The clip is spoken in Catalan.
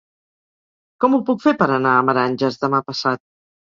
Com ho puc fer per anar a Meranges demà passat?